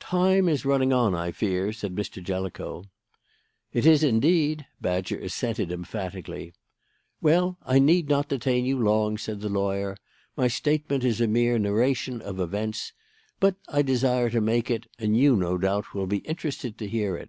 "Time is running on, I fear," said Mr. Jellicoe. "It is, indeed," Badger assented emphatically. "Well, I need not detain you long," said the lawyer. "My statement is a mere narration of events. But I desire to make it, and you, no doubt, will be interested to hear it."